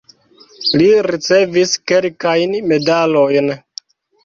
Li ricevis kelkajn medalojn.